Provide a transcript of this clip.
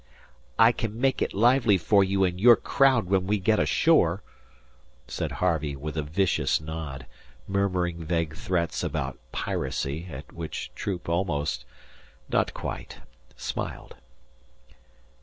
"I can make it lively for you and your crowd when we get ashore," said Harvey, with a vicious nod, murmuring vague threats about "piracy," at which Troop almost not quite smiled.